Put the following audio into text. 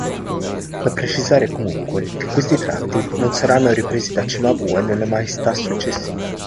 Da precisare comunque che questi tratti non saranno ripresi da Cimabue nelle Maestà successive.